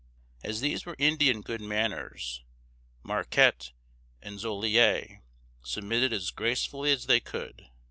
As these were Indian good manners, Marquette and Joliet submitted as gracefully as they could.